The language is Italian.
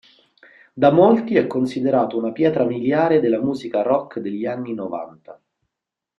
Da molti è considerato una pietra miliare della musica rock degli anni novanta.